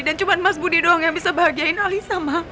dan cuman mas budi doang yang bisa bahagiain alisa ma